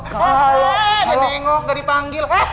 ga dengok ga dipanggil